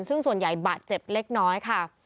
ซึ่งส่วนใหญ่บาดเจ็บเล็กน้อยค่ะ